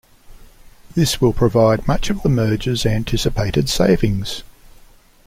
This will provide much of the merger's anticipated savings.